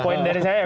poin dari saya